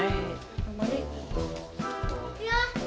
gak mau tau ayo